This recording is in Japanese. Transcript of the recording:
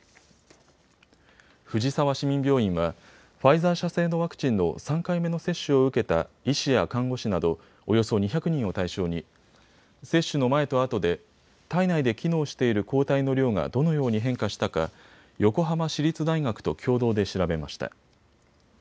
藤沢市民病院はファイザー社製のワクチンの３回目の接種を受けた医師や看護師などおよそ２００人を対象に接種の前と後で体内で機能している抗体の量がどのように変化したか横浜市立大学と共同で調べました。